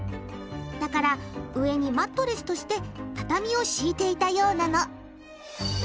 だから上にマットレスとして畳を敷いていたようなの。